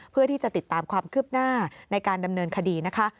เพื่อที่จะติดตามความคืบหน้าในการดำเนินคดีนะคะ